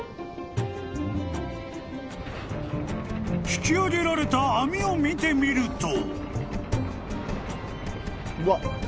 ［引きあげられた網を見てみると］